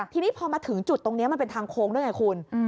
ทีนี้พอมาถึงจุดตรงนี้มันเป็นทางโค้งด้วยไงคุณ